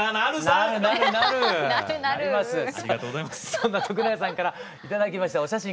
そんな徳永さんから頂きましたお写真